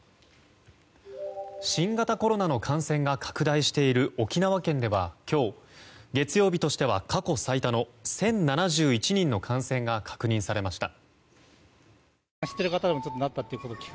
新型コロナの感染が拡大している沖縄県では今日、月曜日としては過去最多の１０７１人の感染が確認されました。